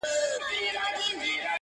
د شپې نيمي كي_